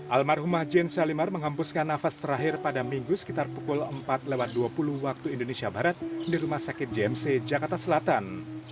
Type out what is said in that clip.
almarhumah jane salimar menghempuskan nafas terakhir pada minggu sekitar pukul empat dua puluh waktu indonesia barat di rumah sakit jmc jakarta selatan